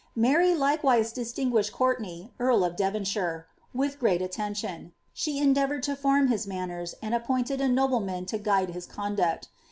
Mary likewise distinguished Courtenay, earl of Devonshire, with peal attention *, she endeavoured to form his manners, and appointed a noUe man to guide his conduct.